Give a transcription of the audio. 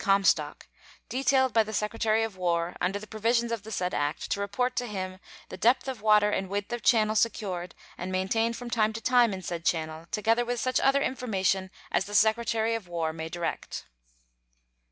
B. Comstock, detailed by the Secretary of War, under the provisions of the said act, to report to him "the depth of water and width of channel secured and maintained from time to time in said channel, together with such other information as the Secretary of War may direct."